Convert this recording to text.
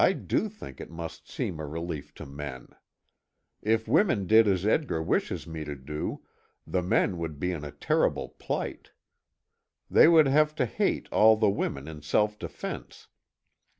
I do think it must seem a relief to men. If women did as Edgar wishes me to do, the men would be in a terrible plight. They would have to hate all the women in self defence.